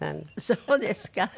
そうですか。